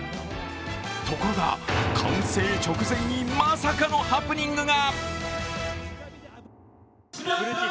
ところが、完成直前にまさかのハプニングが。